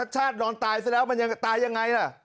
ชัดร้อนตายซะละมันยังตายยังไงล่ะ